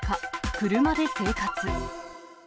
車で生活。